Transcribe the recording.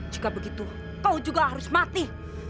jika begitu kau juga harus mati